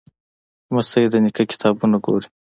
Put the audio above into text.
لمسی د نیکه کتابونه ګوري.